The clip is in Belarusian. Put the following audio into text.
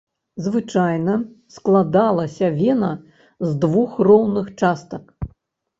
Звычайна, складалася вена з двух роўных частак.